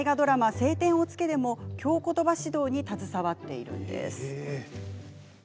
「青天を衝け」でも京ことば指導に携わっているんです。